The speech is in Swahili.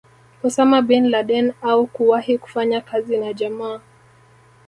Osama Bin Laden au kuwahi kufanya kazi na jamaa